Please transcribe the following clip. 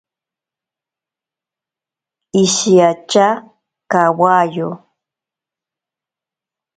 Ishiatya kawayo.